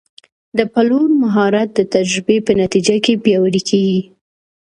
د پلور مهارت د تجربې په نتیجه کې پیاوړی کېږي.